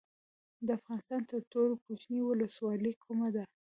د افغانستان تر ټولو کوچنۍ ولسوالۍ کومه ده؟